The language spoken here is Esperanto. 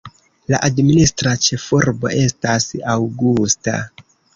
La administra ĉefurbo estas Augusta.